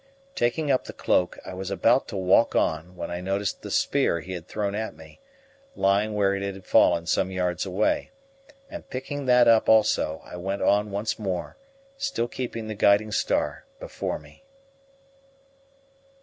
Taking up the cloak, I was about to walk on, when I noticed the spear he had thrown at me lying where it had fallen some yards away, and picking that up also, I went on once more, still keeping the guiding star before me.